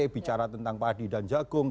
bicara tentang padi dan jagung